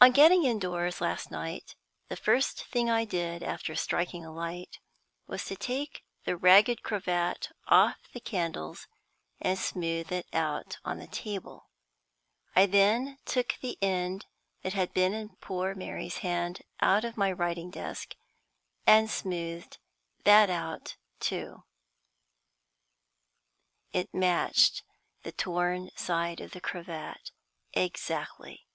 On getting indoors last night, the first thing I did, after striking a light, was to take the ragged cravat off the candles, and smooth it out on the table. I then took the end that had been in poor Mary's hand out of my writing desk, and smoothed that out too. It matched the torn side of the cravat exactly.